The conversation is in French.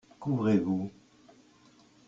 Qu'ouvrez-vous ?